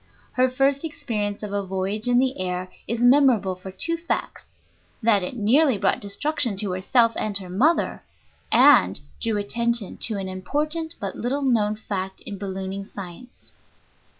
Her first experience of a voyage in the air is memorable for two facts, that it nearly brought destruction to herself and her mother, and drew attention to an important but little known fact in ballooning science.